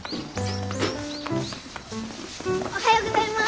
おはようございます。